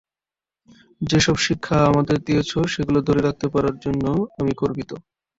যেসব শিক্ষা আমাকে দিয়েছ, সেগুলো ধরে রাখতে পারার জন্য আমি গর্বিত।